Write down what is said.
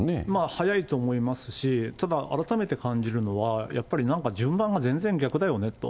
早いと思いますし、ただ改めて感じるのは、やっぱりなんか順番が全然逆だよねと。